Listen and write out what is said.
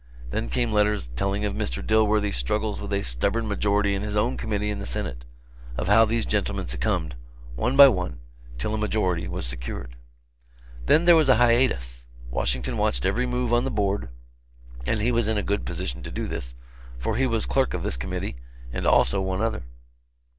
Then came letters telling of Mr. Dilworthy's struggles with a stubborn majority in his own Committee in the Senate; of how these gentlemen succumbed, one by one, till a majority was secured. Then there was a hiatus. Washington watched every move on the board, and he was in a good position to do this, for he was clerk of this committee, and also one other.